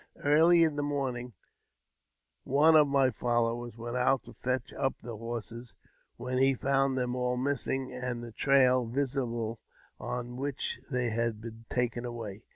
Early in the morning one of my followers went out to fetch up the horses, when he found them all missing, and the trail visible on which they had been taken away.